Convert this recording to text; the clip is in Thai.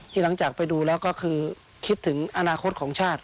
หลังจากไปดูแล้วก็คือคิดถึงอนาคตของชาติ